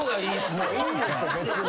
もういいですよ別に。